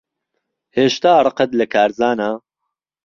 هێشتا ڕقت لە کارزانە؟